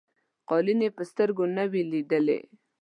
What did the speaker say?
قالیني په سترګو نه وې لیدلي.